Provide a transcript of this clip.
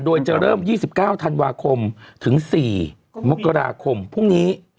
โดยจะเริ่ม๒๙ธันวาคมถึง๔มกราคมพรุ่งนี้